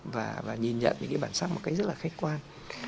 và nhìn nhận những cái bản sắc một cách rất là khách quan